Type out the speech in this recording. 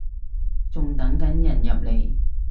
仲等緊人入嚟